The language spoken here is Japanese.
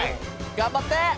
頑張って！